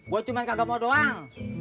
gue cuman kagah mau doang